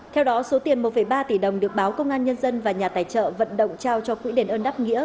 theo đó số tiền một ba tỷ đồng được báo công an nhân dân và nhà tài trợ vận động trao cho quỹ đền ơn đáp nghĩa